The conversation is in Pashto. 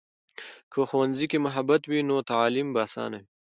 که ښوونځي کې محبت وي، نو تعلیم به آسانه وي.